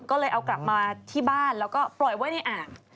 ก็เลยเอากลับมาที่บ้านแล้วก็ปล่อยไว้ในอ่าง